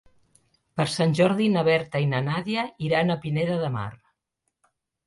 Per Sant Jordi na Berta i na Nàdia iran a Pineda de Mar.